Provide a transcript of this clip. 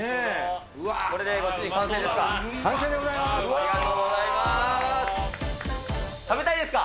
これでご主人、完成ですか？